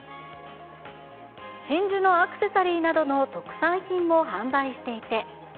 真珠のアクセサリーなどの特産品も販売していて。